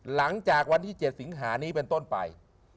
หลังจากวันที่๗สิงหานี้เป็นต้นไป